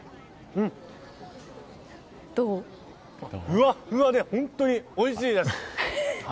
ふわふわで本当においしいです！